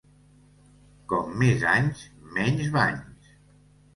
Com més anys, menys banys.